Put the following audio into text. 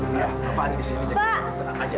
bapak ada di sini tenang saja